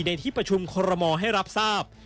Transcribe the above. ในที่ประชุมคอรมอลให้รับทราบ